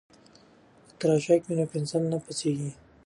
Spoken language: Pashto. که تراشک وي نو پنسل نه پڅیږي.